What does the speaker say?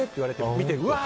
見て、うわー！